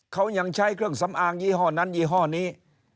เขายังใช้เครื่องสำอางยี่ห้อนั้นยี่ห้อนี้